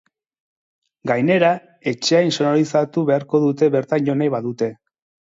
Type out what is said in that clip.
Gainera, etxea intsonorizatu beharko dute bertan jo nahi badute.